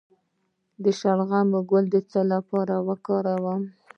د شلغم ګل د څه لپاره وکاروم؟